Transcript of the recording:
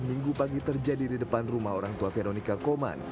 minggu pagi terjadi di depan rumah orang tua veronica koman